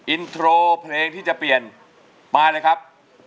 อินโทรเพลงที่จะเปลี่ยนมาเลยครับ